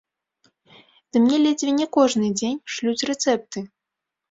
Ды мне ледзьве не кожны дзень шлюць рэцэпты!